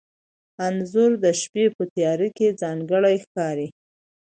انځور د شپې په تیاره کې ځانګړی ښکاري.